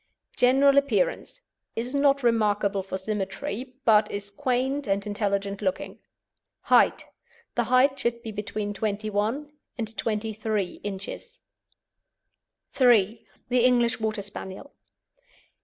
GENERAL APPEARANCE Is not remarkable for symmetry, but is quaint and intelligent looking. HEIGHT The height should be between 21 and 23 inches. III. THE ENGLISH WATER SPANIEL.